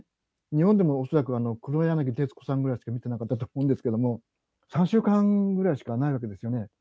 日本でも恐らく黒柳徹子さんぐらいしか見てなかったと思うんですけども、３週間ぐらいしかないわけですよね。